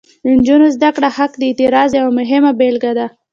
د نجونو د زده کړې حق د اعتراض یوه مهمه بیلګه ده.